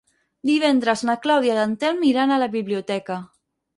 Divendres na Clàudia i en Telm iran a la biblioteca.